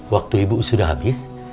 waktu ibu sudah habis